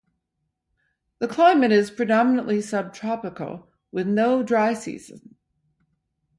The climate is predominantly subtropical with no dry season.